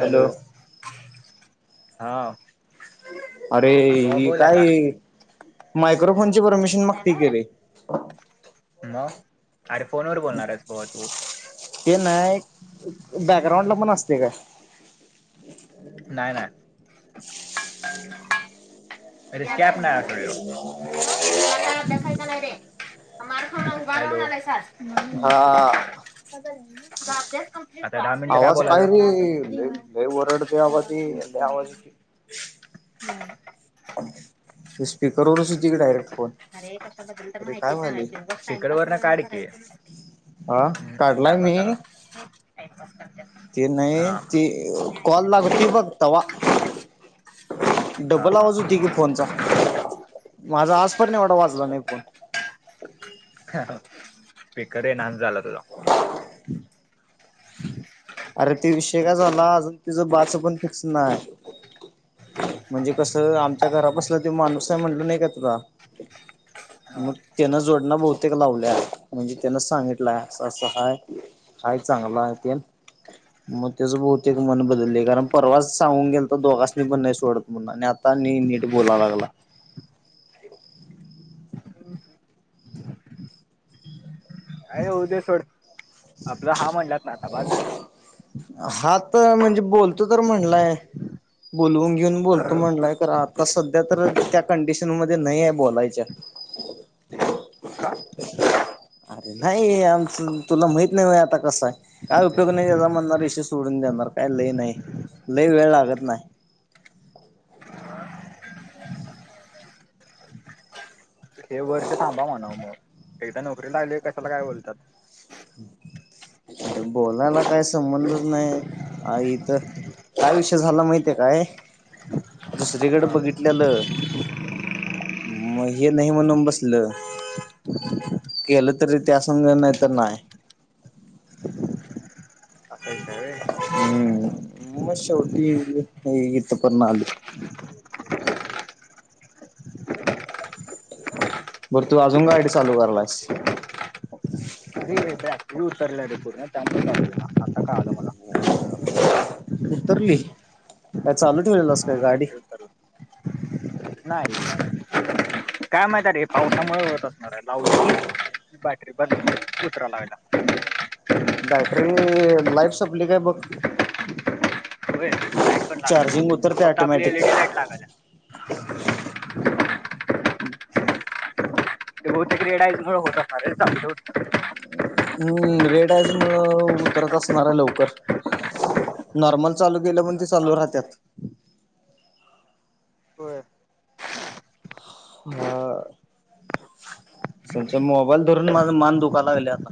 Hello हां. अरे हे कायए मायक्रोफोन? ती परमिशन मागते की रे. हा. ते नाही. बॅकग्राउंड ला पण असतय काय? ह नाही नाही. [inaudible] हम [unintelligible] मारखा [unintelligible] अभ्यास हा आता दहा मिनटं काय आवाज बोलायचं? रे लय लय ओरडते आबा ते लय आवाज येतोय हम्म. स्पीकर वरच येतोय डायरेक्ट फोन. अरे कशाबद्दल तर अरे माहिती काय सांग व्हायलय [unintelligible] तिकड व का हा हम्. काढलाय [unintelligible] ती नाही. ती कॉल लावतीये बघ तवा. हा डबल हा आवाज होती. फोनचा. माझा आज पण एवढा वाजला नाही फोन. [inaudible] आहे नाच झाला तुझा अरे ते विषय काय झाला अजून तिच बाच पण फिक्स नाय. म्हणजे कसं? आमच्या घरा बसलं तरी माणूस नाही म्हणलं नाही का तुला? मग त्यानं जोडणं बहुतेक लावल्या. म्हणजे त्यान सांगितलं असं असं हाय - काय चांगल अं ते- मग त्याचं बहुतेक मन बदललंय. कारण परवाच सांगून गेलाता दोघांस्नी पण नाही सोडत म्हणून आणि आता- नीट बोला लागला. ऋल उद्या सोड. आपला हा म्हणलात ना आता बास झाल. हा तर म्हणजे बोलतो तर म्हणलाय बोलवून घेऊन बोलतो म्हणलाय खरा. सध्या तर त्या कंडिशन मध्ये नाही आहे बोलायच्या. का अरे नाही आमच तुला माहित नाही. आता कसं आहे काय उपयोग नाही त्याचा विषय सोडून देणार. काही लई नाही. लय वेळ लागत नाही. [inaudible] [inaudible] हे वर्ष थांबा म्हणावं मग एकदा नोकरी लागली कशाला काय बोलतात. अरे बोलायला काय संबंधच नाही आ इथ. काय विषय झाला माहितीये काय दुसरीकडे हा बघितलेलं मग हे नाही म्हणून बसलं. केलं तरी ते असून नाही तर नाही. असं हाय व्हय. हम् म शेवटी इथपर्यंत आलंय. बर तू अजून गाड चालू करलास. उूर तररलार त आता का आमला [unintelligible] उतरली काय चालू ठेवलेलस काय हा गाडी. बॅटरी उतरला नाही काय माह रे पावसामुळे होत, असणार आहे, लावली की, बॅटरी बंद उतराय लागला. बॅटरी लाईफ सप्ली काय बघ. हो लाईट पण लागल चार्जिंग ना उतरते फक्त आपली ऑटोमॅटिक एलईडी लाईट लागल्या. [inaudible] हो ते रेड ऑइल मुळे होता असणार चालू ठेव. हम्म रेड आईज मूळ उतरत असणार आहे लवकर. नॉर्मल चालू केलं तर पण ते आता चालू चालूच नाही राहतात. [inaudible] होय हा आ. त्यांच्या मोबाईल धरून माझ मान दुखाला गेले आता.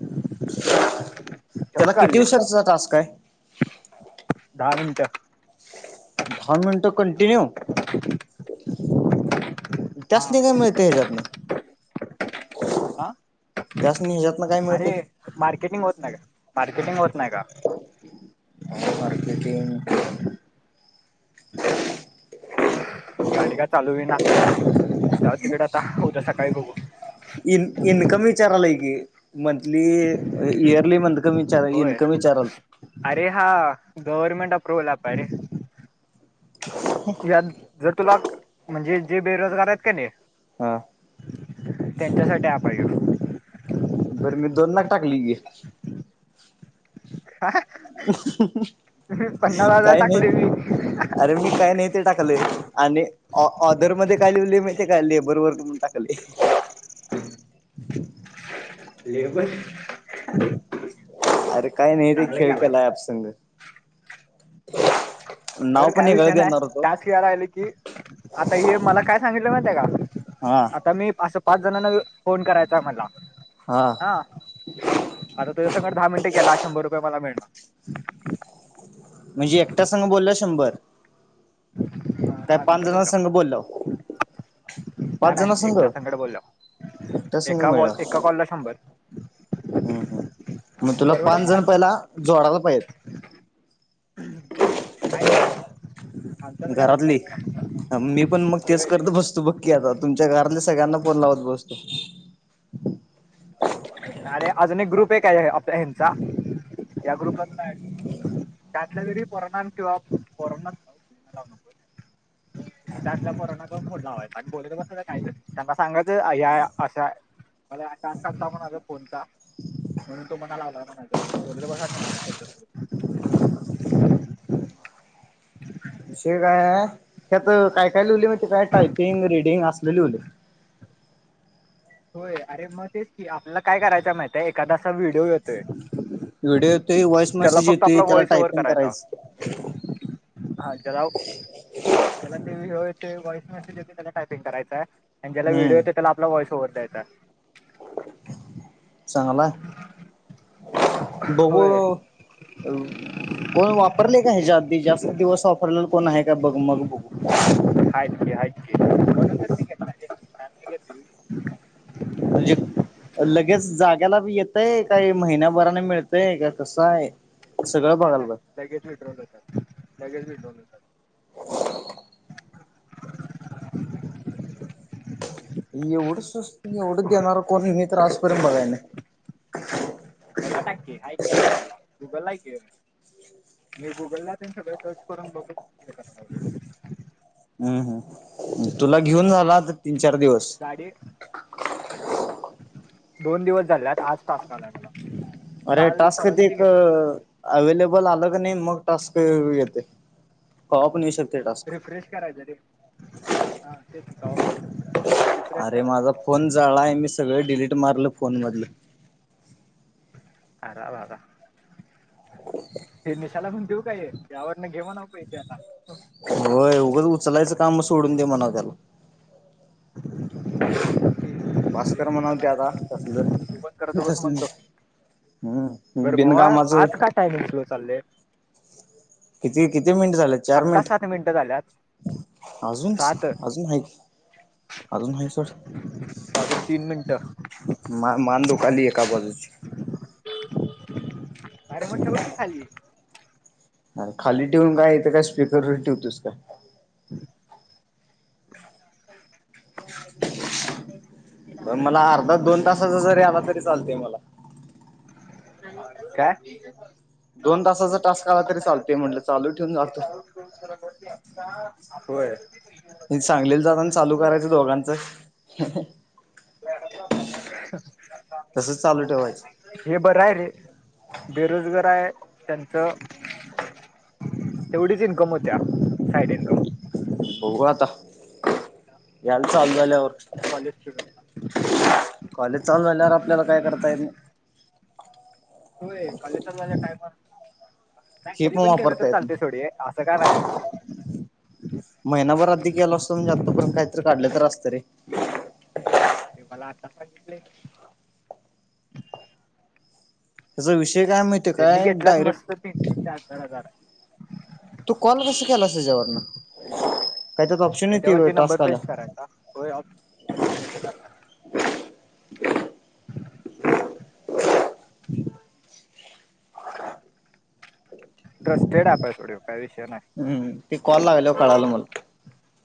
[inaudible] त्याला किती खाली दिवसांचा टास्क आहे. दहा मिनिट. दहा मिनिट कंटिन्यू. त्यास हा नाही काय मिळत हच्यातन हा त्यासनी हच्यात अरे मार्केटिंग होत, नाही का मार्केटिंग होत, नाही का, मार्केटिंग. गाडी का चालू आहे ना जाऊ तिकडे आता उद्या सकाळी बघू इनकम विचारा लई की मंथली इयरली विचार होय इन्कम विचाराल अरे हा गव्हर्मेंट अप्रुव्हल आप रे यात जर तुला म्हणजे जे बेरोजगार आहेत का नाही. हा. त्यांच्यासाठी ॲप हाय हो. बरं मी दोन लाख टाकली गी. हम्म ह्यो ह पन्नास हजार काय नाहीत टाकले मी अरे मी काय नाहीत. ते टाकले आणि ऑ आदर मध्ये काय लिहले माहितीय त काय लेबर वर्क म्हणून टाकलेय. ह [inaudible] लेबर. अरे काय नाही ते चांगला खेळ केलास केलाय की ॲप संग. [inaudible] खर पण काय वेगळं विषय नाही देणार होतो टास्क यायल की, आता हे मला काय सांगितलं माहितीय आहे का, हा आता मी असं पाच जणांना फोन करायचा आहे मला. हा आता तू दहा मिनटे गला शंभर रुपये मला मिळतात. म्हणजे एकट्या संग बोलल्या वर शंभर. हा काय दहा पाच मिनिटं जणां बोललो संघ बोल्या व नाही पाच जण नाही संघ एकटा संगट बोललो एकट्या संग एका बॉल एका मिळनार. कॉलला शंभर हम्म हम् मग तुला परवडत पाच नाही जण पहिला जोडाला पाहित. कायती सर घरातली मी पण मग तेच होय करत बसतो बघकीी आता तुमच्या घरातले सगळ्यांना फोन लावत बसतो. अरे अजून एक ग्रुप एक आहे हचा या ग्रुप त्याल्या घरी परणार किंवानाव न त्यातलाना मोडला बोस काही त्यांना सांगच या अशा मला आ करता म्हण आ फोन का म्हणून तो म्हणा लावला म्हणायच बोल तर बसत नाहीच्या विषय काय आहे. आत काय काय लिहिली माहिती काय टायपिंग रीडिंग असले लिवले होय अरे मग तेच की आपला काय करायच माहित आहे एखादा असा व्हिडिओ येतोय. व्हिडिओ येतो व्हॉइस त्याला मेसेज फक्त येत आपला त्याला व्हॉइस ओव्हर टायपिंग करायचा करायचं. हा चलाव चला होय. ते वॉइस मेसेज येतते त्याला टायपिंग करायचां आणि ज्याला व्हिडिओ येत त्याला वॉइस ओवर द्यायचा चांगलाय बघू होय अ कोण वापरले का हच्याे आधी जास्त दिवस वापरल्या कोण आहे का बघ मग बघू रिकाम म्हणजे लगेच जागे ्यालाी येतय काही महिन्याभराने मिळतय का कसं आहे. सगळं नाही बघायला नाही लगेज विडोल होेतात लगेज भेट्रन होतात. रिकाम ऐवढ स्वस्त ऐवढ देणार कोणी मी तर आज पर्यत बघितल नाय याला टाककी ऐक आपल्याला गुगल ऐक मी गुगलला त्यां सगळं सर्च करून बघ हम्म हम्म तुला घेऊन झाला तीन चार दिवस गाडी दोन दिवस झालेत आज तास कलाय अरे टास्कध एक अवेलेब [unintelligible] आल कनी मग टास्क अवेळी येतेय. कवापण येऊ शकत. रिफ्रेश करायचं रे, हा ते कवापण अरे माझा फोन जाळाय मी, सगळ डिलीट मारलं फोन मधल. आ रा रा रा. ते निशाला म्हून देऊ काय यावर न घेवा ना काय तेे आता. होय उघंच उचलायचं काम सोडून दे मणाव त्याला रिकाम भास्कर म्हणावते आता तस ब करतो कसं म्हणतो. हम्म बर भा बिनकामाचं आज काय टायमिंग स्लो चाललंय किती किती मिनट झाले चार मिनिट मिनिटं झाल्यात अजूनच सात अजून आहेत. आजून नाही सर अजून तीन मिनिटं मा माांडूकाली एका बाजूची कारे मोठ ठ ब की खाली अ खाली ठेवून काय येतं का स्पीकरवर ठेव तोस का रिकाम. रिकाम. मग मला अर्धा दोन तासाचा जरी आला तरी चालतय मला. काय. दोन तासाचा टास्क आला तरी चालतय म्हटलं चालू ठेवून जातो कर आ होय. सांगलीला जातान चालू करायचं दोघांचं, तसच चालू ठेवाय हे बरं आहे रे बेरोजगार हाय. त्यांनचं तेवढीच इन्कम होत्या, साईड इन्कम बघू आता, यायला चालू झाल्यावर आपल्यासारख्या कॉलेज पिरिडला. कॉलेज चालू झाल्यावर, आपल्याला काय करता येत नाही. होय. कॉलेज चालू झाल्यावर काय पण, नाही हे कधी पण केलं, वापरता तर येत चालते नाही. सोड हे असं काय नाय. महिनाभर अधी केलो असतो. म्हणजे आतापर्यंत काहीतरी काढलो तर असतो रे. [inaudible] ते मला आता सांगितले. त्याचा विषय काय माहितीय त्यांनी काय घेतल्यात मस्त डायरेक्ट. तीन तीन चार चार हजार तू कॉल कशी केला हेचा वरन, काय तर त्यात ऑप्शन येतोय याच्यावरती नंबर टास्क पेस्ट आल्यावर. करायचा होय ऑप्शन येतो टाकता ट्रस्टेड अॅप आहे, सोड काय विषय नाही. हम्म ते कॉल लागल्यावर कळाल मला.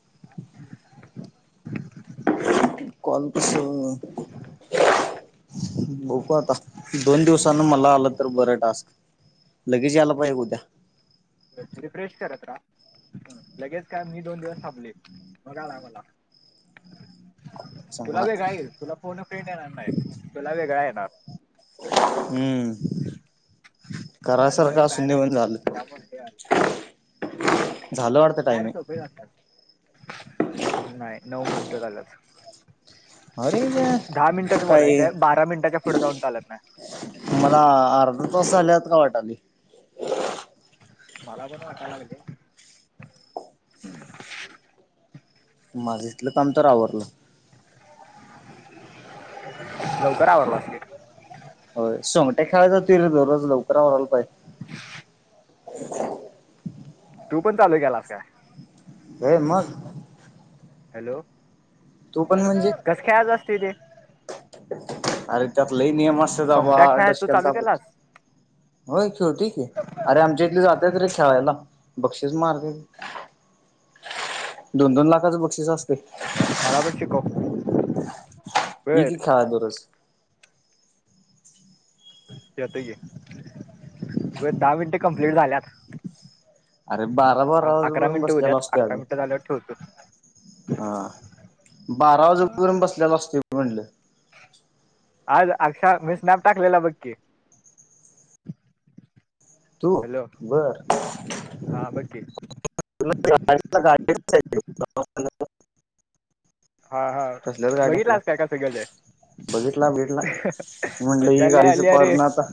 [inaudible] कॉल उचलनात कोण, बगु आता दोन दिवसान मला आल तर बरं टास्क, लगेच याला पाहिजे उद्या. रिफ्रेश करत रहा. लगेच काय मी दोन दिवस थांबलोय, मग आलाय मला तुला चांगला वेगंळ येईल. तुला फोन‌ फ्रेंड येणार नाही, तुला वेगळा येणार. हम्म, कराय माझं सारखं लक बॅड असुदे आहे म्हणजे झालं. त्यामुळे हे आलं [unintelligible] झालं वाटतं टायमिंग. नाही नऊ मिनिटं, कुठ झाल्यात. दहा अरे मिनिटच काय बोलायचे, बारा मिनटाच्या पुढे जाऊन चालत नाही. मला अर्धा तास झाल्यागत का वाटलंय. मला पण वाटा लागते माझं इथलं काम तर आवरलं. लवकर आवरलास की, ते खेळाय जातोय रे, दररोज लवकर आवराय पायजे. [inaudible] [inaudible] तू पण चालू केलास काय? व्हय मग, हॅलो, तू पण म्हणजे कस काय आज असतय ते, अरे त्यात लै नियम असत्यात, बाबा सोंगट्या खेळाय तू डोसक्याला चालू ताप होतंय. केलास होय खेळतोय की, अरे आमच्या इथली जात्यात रे खेळायला. बक्षीस मारते, दोन दोन लाखाच बक्षीस अस मला पण शिकव. बर इकी खेळाय दरोज. यतेय ये दहा मिनटे कंप्लीट झाल्यात. अरे बारा बारा अकरा वाजूपरेन मिनिटं बसलेला उद्यात असतोय अकरा आम्ही, मिनिटं झाल्यावर ठेवतो हा बारा वाजूपरन बसलेला असतोय बगं म्हटलं. आज अक्षा मी स्नॅप टाकलेला बक्की तू बर ओके [unintelligible] हा हा तसल्याच गाडीतला बघितलंच काय का सगळं ज बघितला बेटला म्हटलं ह गाडीच पर ना आता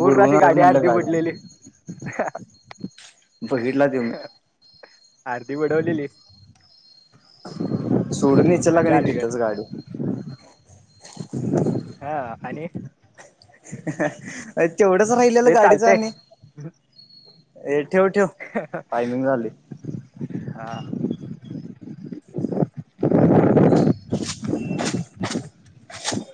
पूर बुडवून अशी गाडी म्हटलं अर्धी गाडी उडलेली इप वीटला दे आरती बडवलेली सोडून इचला क नाही तिथंच गाडी हा आणि तेवढच राहिललं ते गाडीच चालतंय आणि ठेव ठेव टायमिंग झाली हां [unintelligible]